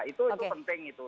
itu penting itu